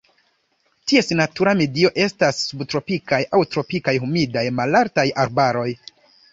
Ties natura medio estas subtropikaj aŭ tropikaj humidaj malaltaj arbaroj.